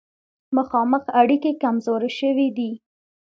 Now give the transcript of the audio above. مخامخ اړیکې کمزورې شوې دي.